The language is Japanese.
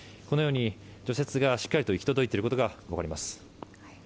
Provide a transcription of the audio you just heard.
このように除雪がしっかりと行き届いていることがわかります。